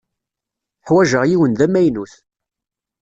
Ḥwajeɣ yiwen d amaynut.